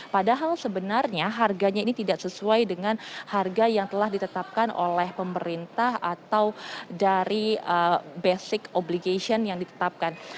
padahal sebenarnya harganya ini tidak sesuai dengan harga yang telah ditetapkan oleh pemerintah atau dari basic obligation yang ditetapkan